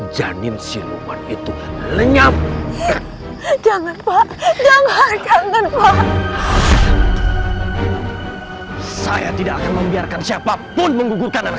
janin siluman itu lenyap jangan pak jangan kanten pak saya tidak akan membiarkan siapapun menggugurkan